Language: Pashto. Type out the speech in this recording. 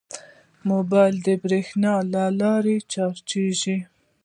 موبایل د بریښنا له لارې چارجېږي.